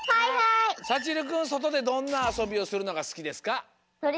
さちるくんそとでどんなあそびをするのがすきですか？